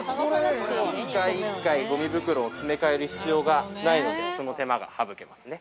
１回１回、ごみ袋を詰めかえる必要がないので、その手間が省けますね。